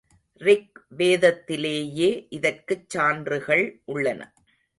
Rig வேதத்திலேயே இதற்குச் சான்றுகள் உள்ளன.